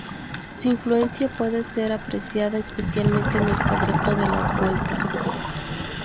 Su influencia puede ser apreciada, especialmente, en el concepto de las vueltas.